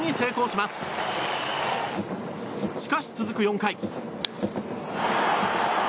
しかし続く４回。